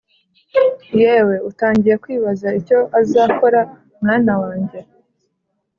yewe, utangiye 'kwibaza icyo uzakora, mwana wanjye